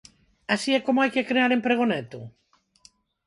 ¿Así é como hai que crear emprego neto?